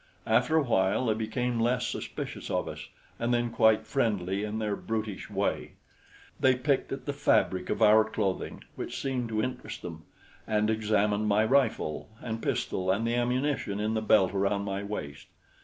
After a while they became less suspicious of us and then quite friendly in their brutish way. They picked at the fabric of our clothing, which seemed to interest them, and examined my rifle and pistol and the ammunition in the belt around my waist.